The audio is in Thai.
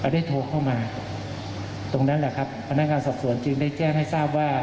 ได้โทรเข้ามาตรงนั้นแหละครับพนักงานสอบสวนจึงได้แจ้งให้ทราบว่า